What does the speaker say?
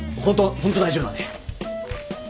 ホント大丈夫なんで。